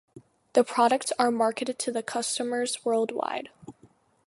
The products are marketed to customers worldwide.